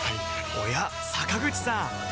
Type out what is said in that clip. おや坂口さん